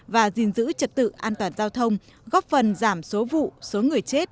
và giữ gìn trật tự an toàn giao thông góp phần giảm số vụ số người chết